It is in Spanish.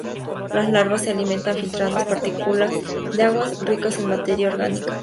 Las larvas se alimentan filtrando partículas de aguas ricas en materia orgánica.